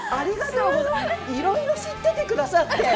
いろんなこと知っててくださって。